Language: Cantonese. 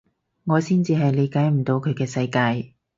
我先至係理解唔到佢嘅世界